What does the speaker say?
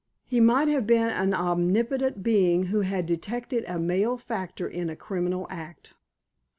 He might have been an omnipotent being who had detected a malefactor in a criminal act.